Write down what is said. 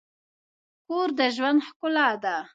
کور د ژوند ښکلا ده.